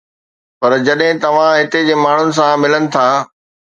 پر جڏهن توهان هتي جي ماڻهن سان ملن ٿا